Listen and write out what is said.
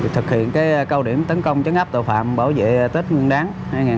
thực hiện câu điểm tấn công chấn áp tàu phạm bảo vệ tết nguyên đáng hai nghìn hai mươi ba